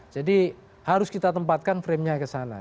jadi harus kita tempatkan framenya ke sana